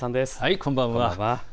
こんばんは。